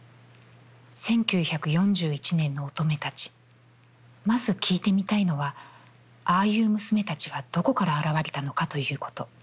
「一九四一年の乙女たちまず聞いてみたいのは、ああいう娘たちはどこから現れたのかということ。